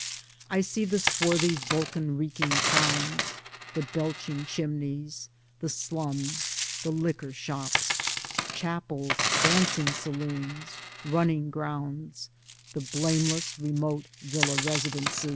I see the swarthy Vulcan reeking towns, the belching chimneys, the slums, the liquor shops, chapels, dancing saloons, running grounds, and blameless remote villa residences.